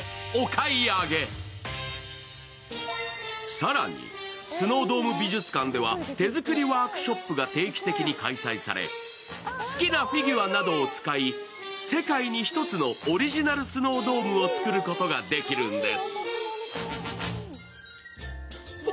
更にスノードーム美術館では手作りワークショップが定期的に開催され、好きなフィギュアなどを使い、世界に一つのオリジナルスノードームを作ることができるんです。